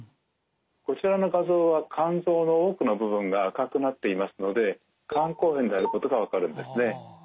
こちらの画像は肝臓の多くの部分が赤くなっていますので肝硬変であることが分かるんですね。